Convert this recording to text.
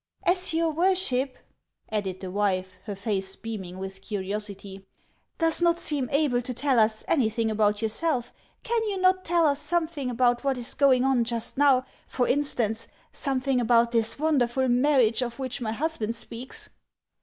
"As your worship," added the wife, her face beaming with curiosity, " does riot seem able to tell us anything about yourself, can you not tell us something about what is going on just now, for instance, something about this wonderful marriage of which my husband speaks